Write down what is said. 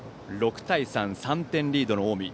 ６対３、３点リードの近江。